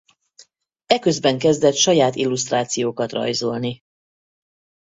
Eközben kezdett saját illusztrációkat rajzolni.